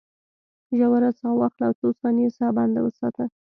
ژوره ساه واخله او څو ثانیې ساه بنده وساته.